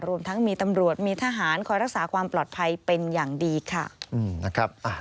รวมทั้งมีตำรวจมีทหารคอยรักษาความปลอดภัยเป็นอย่างดีค่ะนะครับ